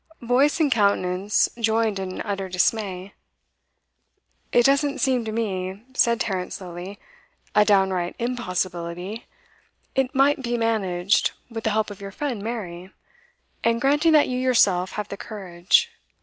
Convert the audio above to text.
Voice and countenance joined in utter dismay. 'It doesn't seem to me,' said Tarrant slowly, 'a downright impossibility. It might be managed, with the help of your friend Mary, and granting that you yourself have the courage.